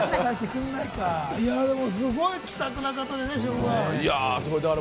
でも、すごい気さくな方でね、忍君。